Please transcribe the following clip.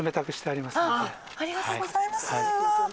ありがとうございます。